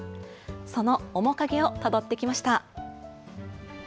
その面影をたどってきました。